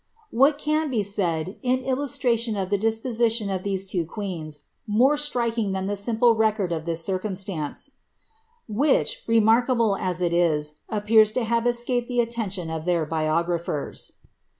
What can be said, in illustration of the disposi 6oa of these two queens, more striking than the simple record of this drcnmstance ; which, remarkable as it is, appears to have escaped the itteotioD of their biographers.